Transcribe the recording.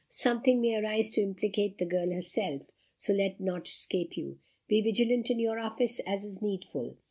Something may arise to implicate the girl herself, so let naught escape you. Be vigilant in your office, as is needful.